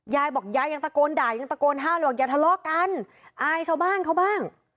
ยายบอกยายยังตะโกนด่ายังตะโกนห้ามเลยบอกอย่าทะเลาะกันอายชาวบ้านเขาบ้าง